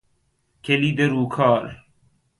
کلید روکار